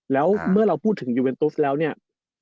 แล้วเมื่อเราพูดถึงยูเวนตุสแล้วเนี่ย